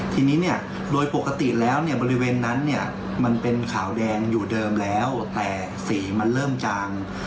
ทางนี้โดยปกติแล้วบริเวณนั้นมันเป็นขาวแดงอยู่เดิมแล้วแต่สีมันเริ่มจาง